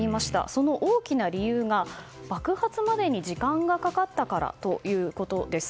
その大きな理由が爆発までに時間がかかったからということです。